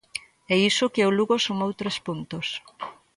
E iso que o Lugo sumou tres puntos.